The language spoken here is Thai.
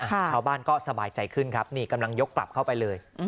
ชาวบ้านก็สบายใจขึ้นครับนี่กำลังยกกลับเข้าไปเลย